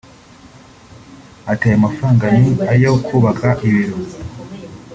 Ati “Ayo mafaranga ni ayo kubaka ibiro